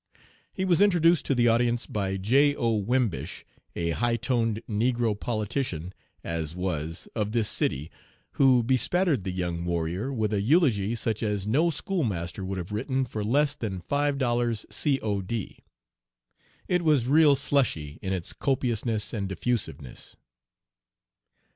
He was introduced to the audience by J. O. Wimbish, a high toned negro politician (as was) of this city, who bespattered the young warrior with an eulogy such as no school master would have written for less than $5 C.O.D. It was real slushy in its copiousness and diffusiveness.